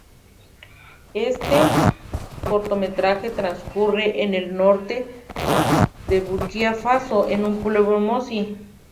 Este cortometraje transcurre en el norte de Burkina Faso, en un pueblo mossi.